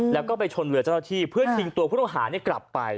แล้วก็ไปชนเรือเจ้าหน้าที่เพื่อชิงตัวผู้ต้องหากลับไป